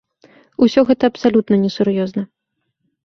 Усё гэта абсалютна несур'ёзна.